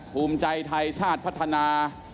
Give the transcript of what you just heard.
ภูมิใจไทยชาติพัฒนา